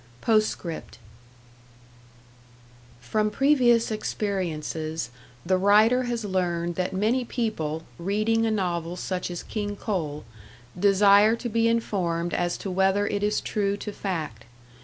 POSTSCRIPT From previous experiences the writer has learned that many people, reading a novel such as "King Coal," desire to be informed as to whether it is true to fact.